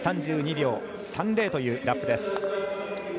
３２秒３０というラップです。